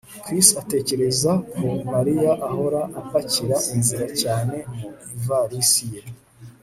Chris atekereza ko Mariya ahora apakira inzira cyane mu ivarisi ye